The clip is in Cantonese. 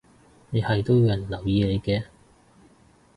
你係都要人留意你嘅